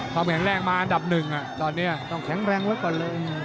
ความแข็งแรงมาอันดับหนึ่งตอนนี้ต้องแข็งแรงไว้ก่อนเลย